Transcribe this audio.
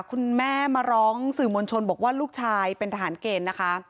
คุณแม่มาร้องสื่อมวลชนบอกว่าลูกชายเป็นทหารเกณฑ์นะคะ